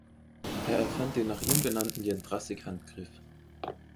Er erfand den nach ihm benannten Jendrassik-Handgriff.